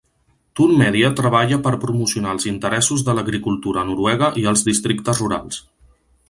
Tun Media treballa per promocionar els interessos de l'agricultura noruega i els districtes rurals.